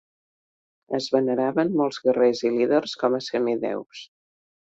Es veneraven molts guerrers i líders com a semidéus.